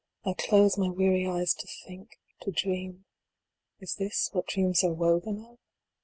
1 close my weary eyes to think to dream. Is this what dreams are woven of?